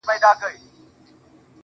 څه کيفيت دی چي حساب چي په لاسونو کي دی